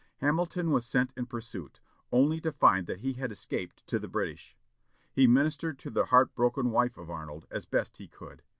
Hamilton was sent in pursuit, only to find that he had escaped to the British. He ministered to the heart broken wife of Arnold, as best he could.